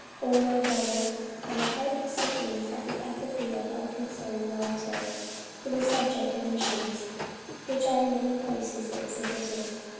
"Oh my brother, my heart sickens at the apathy and unconcern relative to the subject of missions which are in many places exhibited.